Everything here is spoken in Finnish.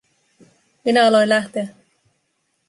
Minä aloin lähteä.